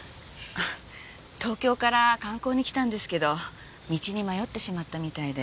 東京から観光に来たんですけど道に迷ってしまったみたいで。